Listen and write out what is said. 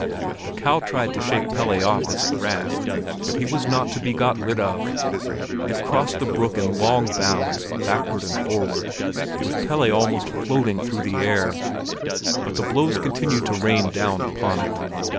The cow tried to shake Pelle off as it ran, but he was not to be got rid of; it crossed the brook in long bounds, backward and forward, with Pelle almost floating through the air; but the blows continued to rain down upon it.